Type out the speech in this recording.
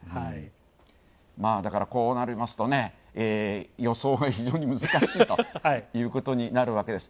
こうなりますと、予想が非常に難しいということになるわけです。